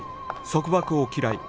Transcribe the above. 束縛を嫌い